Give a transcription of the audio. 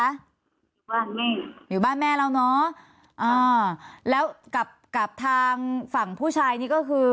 อยู่บ้านแม่อยู่บ้านแม่เราเนอะอ่าแล้วกับกับทางฝั่งผู้ชายนี่ก็คือ